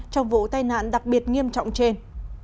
trong vụ tai nạn đặc biệt nghiêm trọng trên